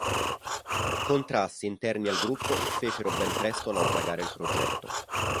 Contrasti interni al gruppo fecero ben presto naufragare il progetto.